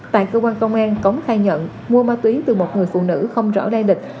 tại cơ quan công an cống khai nhận mua ma túy từ một người phụ nữ không rõ đa địch